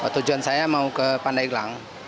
tujuan saya mau ke pandeglang